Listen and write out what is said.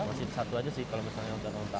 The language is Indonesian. masih satu aja sih kalau misalnya yang terhontak